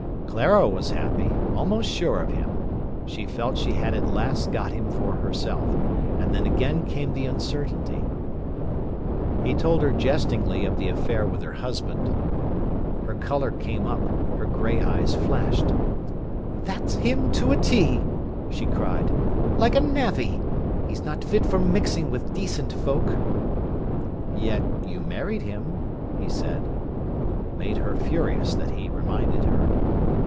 Clara was happy, almost sure of him. She felt she had at last got him for herself; and then again came the uncertainty. He told her jestingly of the affair with her husband. Her colour came up, her grey eyes flashed. "That's him to a 'T'," she cried—"like a navvy! He's not fit for mixing with decent folk." "Yet you married him," he said. It made her furious that he reminded her.